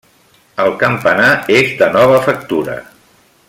El campanar és de nova factura.